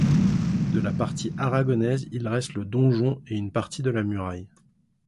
De la période aragonaise, il reste le donjon et une partie de muraille.